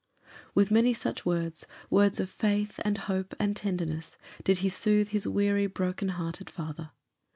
With many such words words of faith, and hope, and tenderness did he soothe his weary, broken hearted father.